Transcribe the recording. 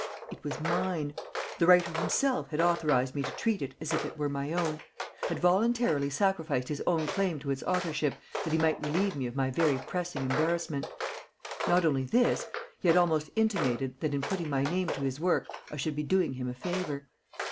It was mine. The writer himself had authorized me to treat it as if it were my own; had voluntarily sacrificed his own claim to its authorship that he might relieve me of my very pressing embarrassment. Not only this; he had almost intimated that in putting my name to his work I should be doing him a favor.